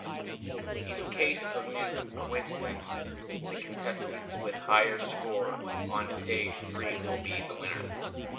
In case of new coincidence, the contestant with higher score on stage three will be the winner.